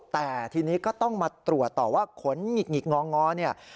แต่ทีนี้ก็ต้องมาตรวจต่อว่าขนหงิกงองอเนี่ย